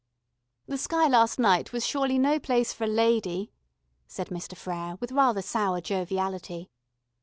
"The sky last night was surely no place for a lady," said Mr. Frere with rather sour joviality.